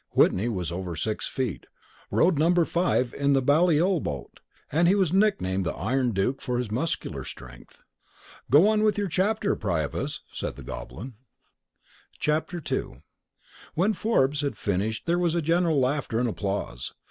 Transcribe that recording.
Whitney was over six feet, rowed number 5 in the Balliol boat, and was nicknamed the Iron Duke for his muscular strength. "Go on with your chapter, Priapus," said the Goblin. II When Forbes had finished there was general laughter and applause.